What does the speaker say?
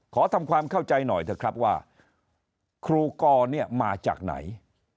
ขอทำความเข้าใจหน่อยเถอะครับว่าครูกรเนี่ยมาจากไหน